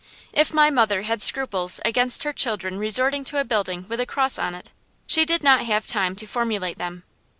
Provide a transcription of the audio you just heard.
If my mother had scruples against her children resorting to a building with a cross on it, she did not have time to formulate them.